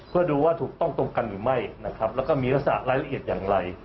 เพื่อดูว่าถูกต้องตรงกันหรือไม่และมีรักษาระเอียดอย่างไร